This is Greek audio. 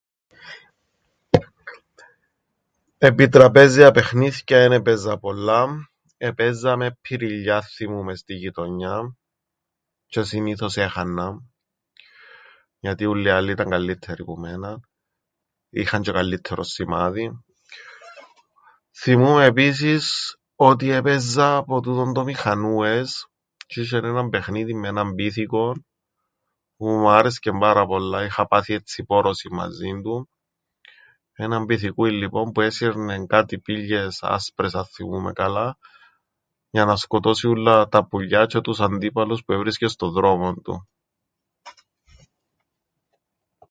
Επιτραπέζια παιχνίθκια εν έπαιζα πολλά. Επαίζαμεν ππιριλλιά θθυμούμαι στην γειτονιάν, τζ̆αι συνήθως έχαννα, γιατί ούλλοι οι άλλοι ήταν καλλύττεροι που μέναν, είχαν τζ̆αι καλλύττερον σημάδιν. Θθυμούμαι επίσης, ότι έπαιζα ποτούτον το μηχανούες τζ̆ι είσ̆εν έναν παιχνίδιν με έναν πίθηκον που μου άρεσκεν πάρα πολλά, είχα πάθει έτσι πώρωσην μαζίν του. Έναν πιθηκούιν λοιπόν που έσυρνεν κάτι πίλιες άσπρες, αν θθυμούμαι καλά, για να σκοτώσει ούλλα τα πουλιά τζ̆αι τους αντίπαλους που έβρισκεν στον δρόμον του.